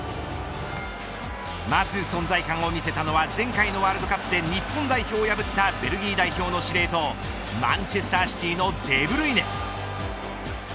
まず存在感を見せたのは前回のワールドカップで日本代表を破ったベルギー代表の司令塔マンチェスターシティのデブルイネ。